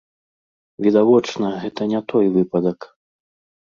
Відавочна, гэта не той выпадак.